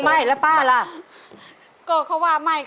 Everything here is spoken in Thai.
เฮ่ย